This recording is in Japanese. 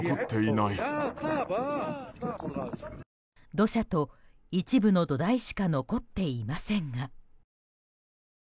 土砂と一部の土台しか残っていませんが。